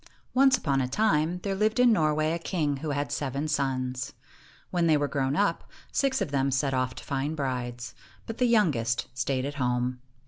Once upon a time, there lived in Norway a king who had seven sons. When they were grown up, six of them set off to find brides, but the youngest stayed at home.